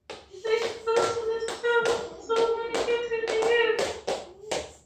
They call out to the star how many cattle they have.